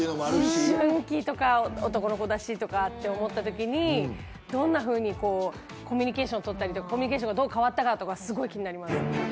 思春期とか、男の子だしとかって思ったときに、どんなふうに、コミュニケーションを取ったりとか、コミュニケーションがどう変わったかってすごい気になります。